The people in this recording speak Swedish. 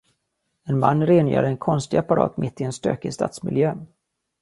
En man rengör en konstig apparat mitt i en stökig stadsmiljö